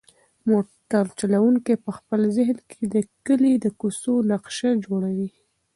موټر چلونکی په خپل ذهن کې د کلي د کوڅو نقشه جوړوي.